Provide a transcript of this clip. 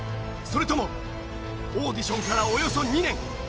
それともオーディションからおよそ２年。